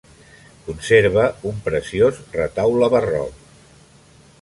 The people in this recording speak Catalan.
Conserva un preciós retaule barroc.